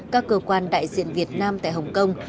các cơ quan đại diện việt nam tại hồng kông